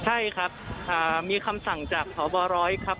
ใช่ครับมีคำสั่งจากพบร้อยครับ